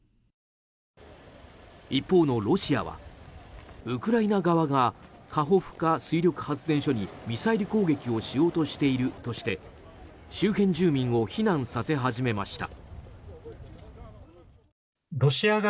一方のロシアはウクライナ側がカホフカ水力発電所にミサイル攻撃をしようとしているとして周辺住民を避難させ始めました。